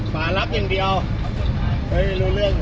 ผ่านรับอย่างเดียวเห้ยรู้เรื่องอยู่